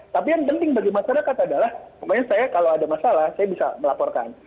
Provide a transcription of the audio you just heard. tapi yang penting bagi masyarakat adalah pokoknya saya kalau ada masalah saya bisa melaporkan